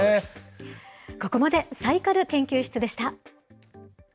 ここまでサイカル研究室でした。